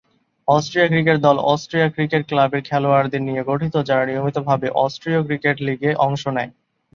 Austria cricket দল, অস্ট্রীয় cricket ক্লাবের খেলোয়াড়দের নিয়ে গঠিত যারা নিয়মিতভাবে অস্ট্রীয় ক্রিকেট লীগে অংশ নেয়।